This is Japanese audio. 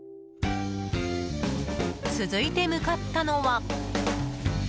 続いて向かったのは。